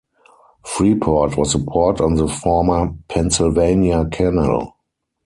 Freeport was a port on the former Pennsylvania Canal.